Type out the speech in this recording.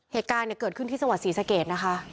เหตุการณ์เนี่ยเกิดขึ้นที่สวรรค์ศรีสะเกดนะคะ